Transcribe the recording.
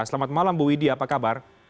selamat malam ibu widya apa kabar